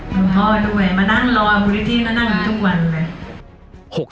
หมุนพ่อด้วยมานั่งรอมูลนิธิแล้วนั่งทุกวันเลย